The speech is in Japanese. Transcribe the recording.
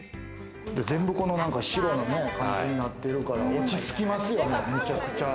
全部この白の感じになってるから落ち着きますよね。